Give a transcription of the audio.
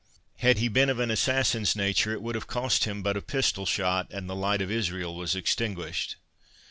Had he been of an assassin's nature, it would have cost him but a pistol shot, and the light of Israel was extinguished.